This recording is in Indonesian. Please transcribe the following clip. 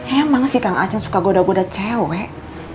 emang sih kang aceh suka goda goda cewek